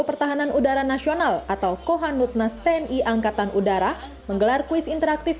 pertahanan udara nasional atau kohanutnas tni angkatan udara menggelar kuis interaktif